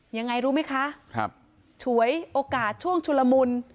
ยังไงรู้ไหมคะครับฉวยโอกาสช่วงชุลมุน